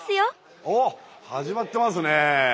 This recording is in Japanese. おっ始まってますね。